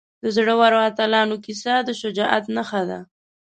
د زړورو اتلانو کیسه د شجاعت نښه ده.